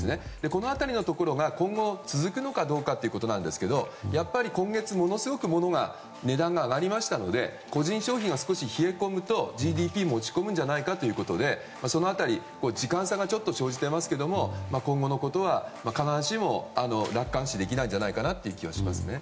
この辺りのところが今後続くのかというところですがやっぱり今月ものすごく物の値段が上がりましたので個人消費が少し冷え込むとＧＤＰも落ち込むんじゃないかということでその辺り時間差が生じていますが今後のことは必ずしも楽観視できないんじゃないかなという気はしますね。